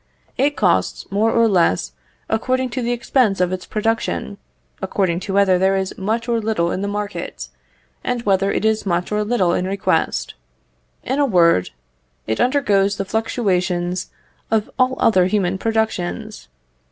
It costs more or less, according to the expense of its production, according to whether there is much or little in the market, and whether it is much or little in request; in a word, it undergoes the fluctuations of all other human productions.